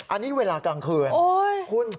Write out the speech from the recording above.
อันนี้เวลากลางคืนคุณ